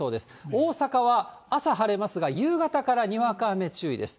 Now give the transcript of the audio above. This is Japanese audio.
大阪は朝晴れますが、夕方からにわか雨注意です。